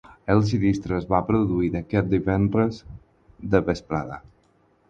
El sinistre es va produir aquest divendres de vesprada.